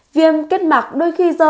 viêm kết mạc đôi khi do